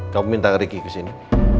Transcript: kamu minta ke riki kesini